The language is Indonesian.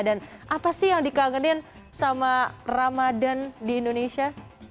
dan apa sih yang dikagetin sama ramadhan di indonesia